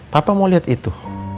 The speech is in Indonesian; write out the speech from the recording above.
papa mau lihat itu